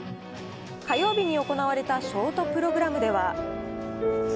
火曜日に行われたショートプログラムでは。